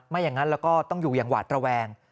อย่างนั้นแล้วก็ต้องอยู่อย่างหวาดระแวง